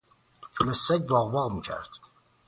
توله سگ واق واق میکرد.